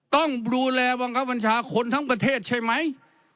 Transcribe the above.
ต้องดูแลบังคับบัญชาคนทั้งประเทศใช่ไหม